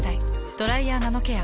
「ドライヤーナノケア」。